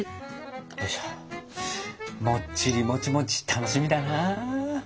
もっちりもちもち楽しみだな！